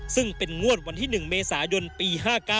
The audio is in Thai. ซึ่งเป็นงวดวันที่๑เมษายนปี๕๙